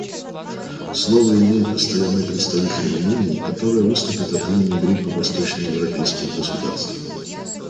Слово имеет Постоянный представитель Румынии, которая выступит от имени Группы восточноевропейских государств.